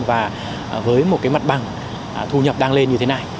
và với một cái mặt bằng thu nhập đang lên như thế này